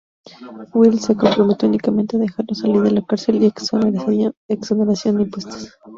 Will se compromete únicamente a dejarlo salir de la cárcel y exoneración de impuestos.